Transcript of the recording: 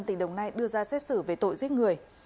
tỉnh đồng nai đưa ra xét xử về tội giết người